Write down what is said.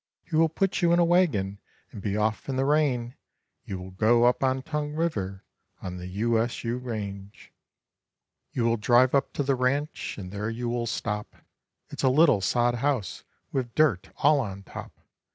He will put you in a wagon and be off in the rain, You will go up on Tongue River on the U S U range. You will drive up to the ranch and there you will stop. It's a little sod house with dirt all on top.